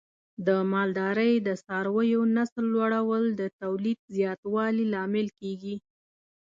د مالدارۍ د څارویو نسل لوړول د تولید زیاتوالي لامل کېږي.